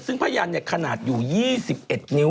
ซึ่งพยันขนาดอยู่๒๑นิ้ว